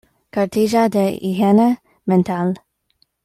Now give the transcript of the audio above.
Cartilla de higiene mental.